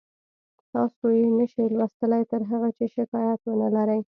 تاسو یې نشئ لوستلی تر هغه چې شکایت ونلرئ